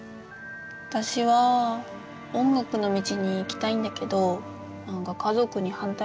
私は音楽の道に行きたいんだけど何か家族に反対されちゃってさ。